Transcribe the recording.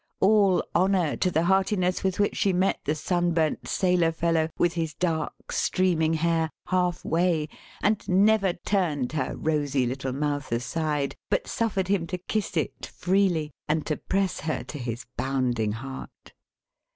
All honor to the heartiness with which she met the sunburnt Sailor fellow, with his dark streaming hair, half way, and never turned her rosy little mouth aside, but suffered him to kiss it, freely, and to press her to his bounding heart!